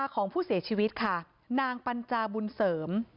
ของผู้เสียชีวิตค่ะนางปัญจาบุญเสริม